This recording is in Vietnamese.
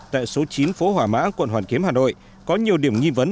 tại số chín phố hỏa mã quận hoàn kiếm hà nội có nhiều điểm nghi vấn